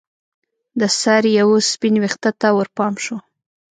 د سر یوه سپین ویښته ته ورپام شو